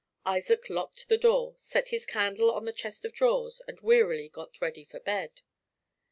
Isaac locked the door, set his candle on the chest of drawers, and wearily got ready for bed.